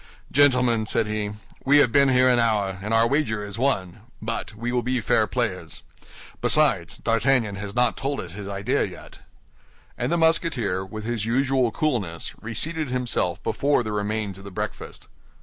"Gentlemen," said he, "we have been here an hour, and our wager is won; but we will be fair players. Besides, D'Artagnan has not told us his idea yet." And the Musketeer, with his usual coolness, reseated himself before the remains of the breakfast.